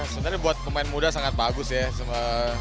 sebenarnya buat pemain muda sangat bagus ya